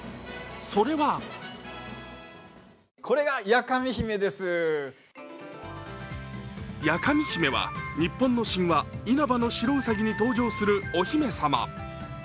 それは八上姫は日本の神話、「因幡の白兎」に登場するお姫様。